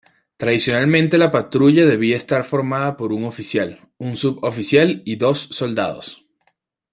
Tradicionalmente la patrulla debía estar formada por un oficial, un suboficial y dos soldados.